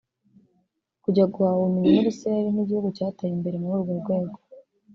kujya guhaha ubumenyi muri Israel nk’igihugu cyateye imbere muri urwo rwego